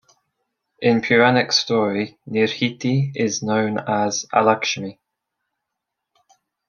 In puranic story Nirrhiti is known as Alakshmi.